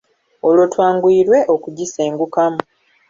Olwo twanguyirwe okugisengukamu.